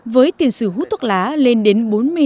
với tiền sử hút thuốc lá lên đến bốn mươi